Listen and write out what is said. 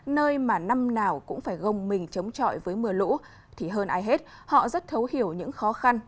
nơi mà năm nào cũng phải gông mình chống chọi với mưa lũ thì hơn ai hết họ rất thấu hiểu những khó khăn